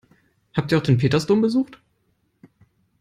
Habt ihr auch den Petersdom besucht?